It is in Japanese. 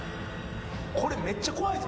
これめっちゃ怖いぞ。